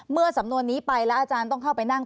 สำนวนนี้ไปแล้วอาจารย์ต้องเข้าไปนั่ง